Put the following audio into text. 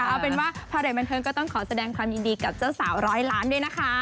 เอาเป็นว่าพาเรทบันเทิงก็ต้องขอแสดงความยินดีกับเจ้าสาวร้อยล้านด้วยนะคะ